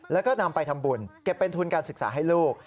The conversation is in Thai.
แล้วก็นำไปทำบุญเก็บเป็นทุนการศึกษาให้ลูก